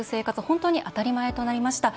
本当に当たり前となりました。